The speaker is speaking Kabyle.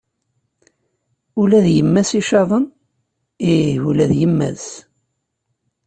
Ula d yemma-s icaḍen? Ih ula d yemma-s.